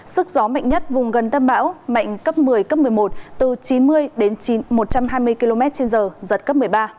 sức gió mạnh nhất vùng gần tâm bão mạnh cấp một mươi cấp một mươi một từ chín mươi đến một trăm hai mươi km trên giờ giật cấp một mươi ba